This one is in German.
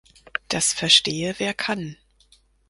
Das verstehe, wer kann!